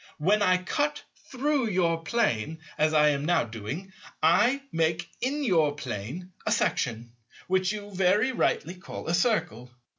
When I cut through your plane as I am now doing, I make in your plane a section which you, very rightly, call a Circle.